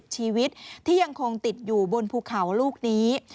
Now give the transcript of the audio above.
ชีวิตที่ยังคงติดอยู่บนภูเขาลูกนี้